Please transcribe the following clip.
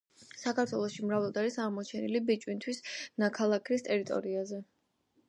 საქართველოში მრავლად არის აღმოჩენილი ბიჭვინთის ნაქალაქარის ტერიტორიაზე.